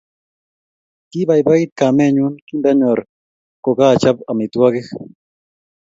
Kipaipait kamennyu kindanyor ko kaachop amitwogik